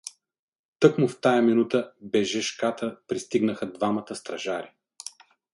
Тъкмо в тая минута бежешката пристигнаха двамата стражари.